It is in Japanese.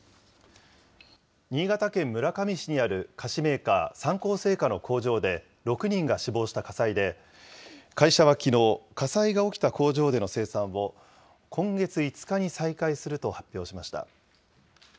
新潟県村上市にある菓子メーカー、三幸製菓の工場で６人が死亡した火災で、会社はきのう、火災が起きた工場での生産を今月５日に再開すると発表しました。